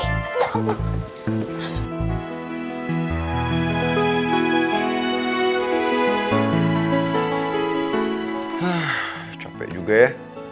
hah capek juga ya